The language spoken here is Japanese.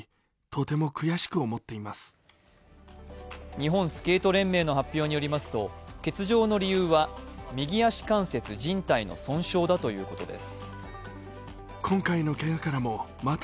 日本スケート連盟の発表によりますと欠場の理由は右足関節じん帯の損傷だということです。